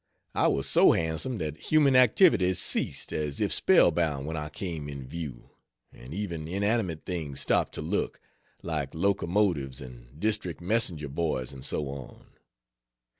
I was so handsome that human activities ceased as if spellbound when I came in view, and even inanimate things stopped to look like locomotives, and district messenger boys and so on.